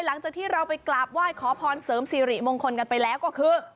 หลังจากที่เราไปกราบไหว้ขอพรเสริมสิริมงคลกันไปแล้วก็คือ